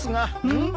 うん？